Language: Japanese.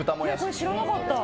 これ知らなかった。